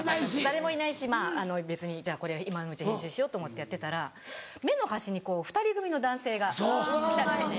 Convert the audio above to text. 誰もいないしまぁ別にじゃあこれは今のうちに返信しようと思ってやってたら目の端にこう２人組の男性が来たんですね。